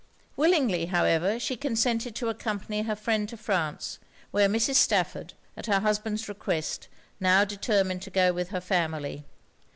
Willingly, however, she consented to accompany her friend to France; where Mrs. Stafford, at her husband's request, now determined to go with her family.